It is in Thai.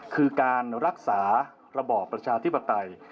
คือการรักษาระบอบประชาธิปไตย